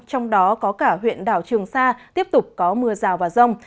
trong đó có cả huyện đảo trường sa tiếp tục có mưa rào và rông